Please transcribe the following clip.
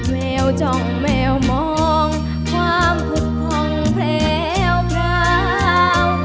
แววจองแววมองความผุดพร้อมแพร่วเบลา